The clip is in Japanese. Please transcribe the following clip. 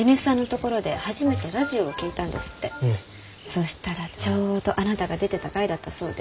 そしたらちょうどあなたが出てた回だったそうで。